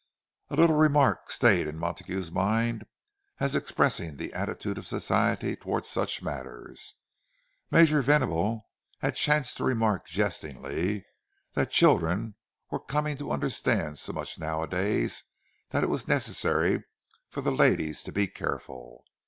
A little remark stayed in Montague's mind as expressing the attitude of Society toward such matters. Major Venable had chanced to remark jestingly that children were coming to understand so much nowadays that it was necessary for the ladies to be careful.